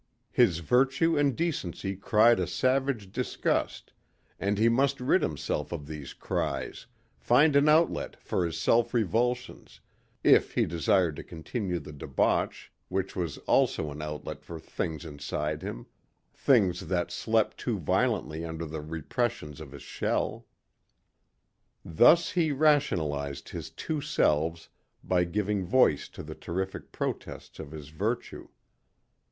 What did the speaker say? His virtue and decency cried a savage disgust and he must rid himself of these cries, find an outlet for his self revulsions, if he desired to continue the debauch which was also an outlet for things inside him things that slept too violently under the repressions of his shell. Thus he rationalized his two selves by giving voice to the terrific protests of his virtue.